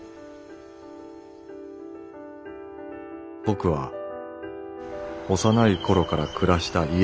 「僕は幼い頃から暮らした家を出て」。